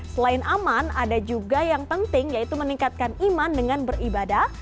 selain aman ada juga yang penting yaitu meningkatkan iman dengan beribadah